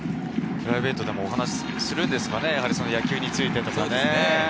プライベートでもお話するんですかね、野球についてとか。